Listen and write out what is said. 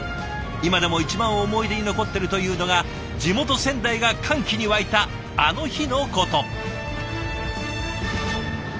今でも一番思い出に残ってるというのが地元仙台が歓喜に沸いたあの日のこと。